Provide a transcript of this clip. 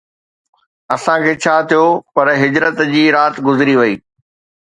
اسان کي ڇا ٿيو پر هجرت جي رات گذري وئي